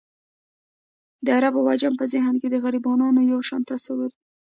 د عرب او عجم په ذهن کې د غربیانو یو شان تصویر دی.